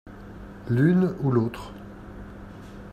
L’une ou l’autre.